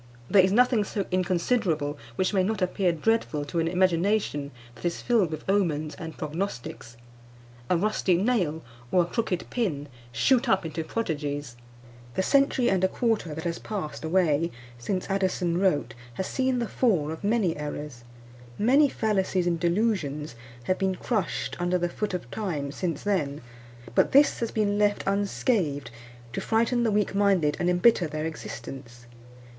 There is nothing so inconsiderable which may not appear dreadful to an imagination that is filled with omens and prognostics. A rusty nail or a crooked pin shoot up into prodigies." Spectator, No. 7, March 8, 1710 11. The century and a quarter that has passed away since Addison wrote has seen the fall of many errors. Many fallacies and delusions have been crushed under the foot of Time since then; but this has been left unscathed, to frighten the weak minded and embitter their existence.